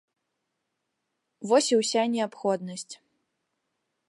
Вось і ўся неабходнасць.